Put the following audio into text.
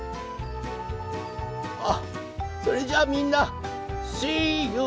あっそれじゃあみんなしゆ！